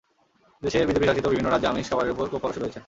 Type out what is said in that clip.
দেশের বিজেপি শাসিত বিভিন্ন রাজ্যে আমিষ খাবারের ওপর কোপ পড়া শুরু হয়েছে।